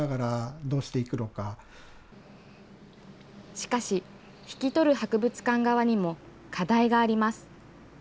しかし、引き取る博物館側にも課題があります。